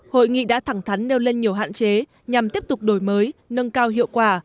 hội nghị đã thẳng thắn nêu lên nhiều hạn chế nhằm tiếp tục đổi mới nâng cao hiệu quả